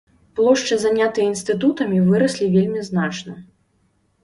Плошчы, занятыя інстытутамі, выраслі вельмі значна.